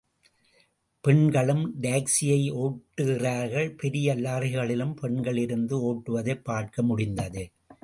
பெண்களும் டாக்சியை ஒட்டு கிறார்கள், பெரிய லாரிகளிலும் பெண்கள் இருந்து ஓட்டுவதைப் பார்க்க முடிந்தது.